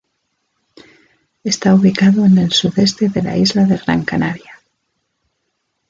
Está ubicado en el sudeste de la isla de Gran Canaria.